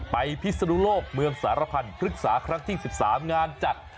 พิศนุโลกเมืองสารพันธ์พฤกษาครั้งที่๑๓งานจัด